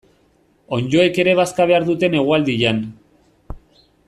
Onddoek ere bazka behar dute negualdian.